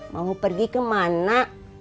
mau pergi kemana